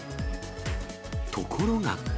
ところが。